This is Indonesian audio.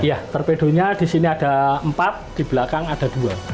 iya torpedo nya disini ada empat di belakang ada dua